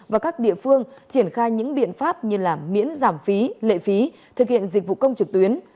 và các địa phương triển khai những biện pháp như miễn giảm phí lệ phí thực hiện dịch vụ công trực tuyến